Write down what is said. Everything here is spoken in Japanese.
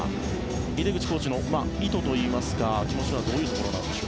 井手口コーチの意図といいますか気持ちはどういうところでしょうか？